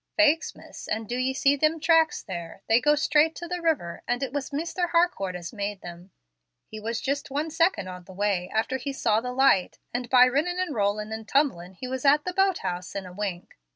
"Faix, miss, an' do ye see thim tracks there? They go straight to the river, and it was Misther Harcourt as made them. He was jist one second on the way after he saw the light, and by rinnin' an' rollin' an' tumblin' he was at the boat house in a wink.